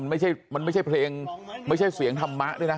ไม่ใช่มันไม่ใช่เพลงไม่ใช่เสียงธรรมะด้วยนะ